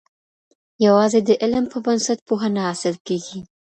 یوازي د علم په بنسټ پوهه نه حاصل کېږي.